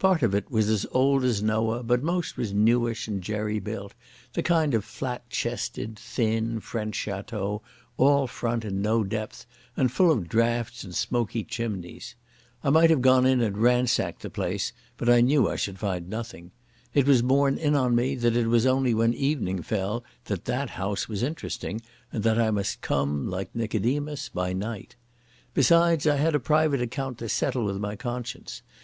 Part of it was as old as Noah, but most was newish and jerry built, the kind of flat chested, thin French Château, all front and no depth, and full of draughts and smoky chimneys. I might have gone in and ransacked the place, but I knew I should find nothing. It was borne in on me that it was only when evening fell that that house was interesting and that I must come, like Nicodemus, by night. Besides I had a private account to settle with my conscience.